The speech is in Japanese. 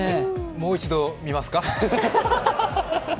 もう一度、見ますか？